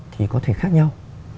thì có thể khác nhau